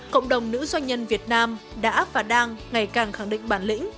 cộng đồng nữ doanh nhân việt nam đã và đang ngày càng khẳng định bản lĩnh